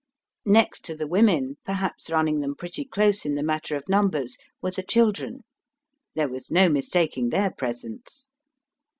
Next to the women, perhaps running them pretty close in the matter of numbers, were the children. There was no mistaking their presence.